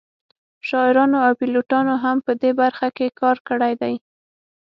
شاعرانو او پیلوټانو هم په دې برخه کې کار کړی دی